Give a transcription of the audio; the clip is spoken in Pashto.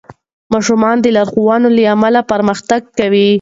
ماشومان د لارښوونو له امله پرمختګ کوي.